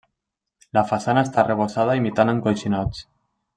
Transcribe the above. La façana està arrebossada imitant encoixinats.